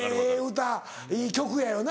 歌いい曲やよな。